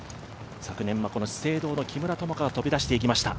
昨年は資生堂の木村友香が飛び出していきました。